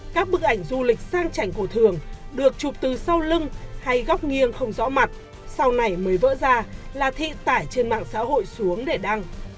các bức ảnh du lịch sang trành cổ thường được chụp từ sau lưng hay góc nghiêng không rõ mặt sau này mới vỡ ra là thị tải trên mạng xã hội xuống để đăng